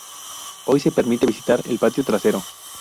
Hoy se permite visitar el patio trasero.